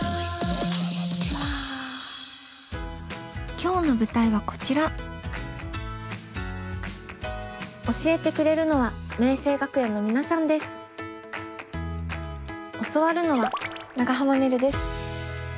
今日の舞台はこちら教えてくれるのは教わるのは長濱ねるです。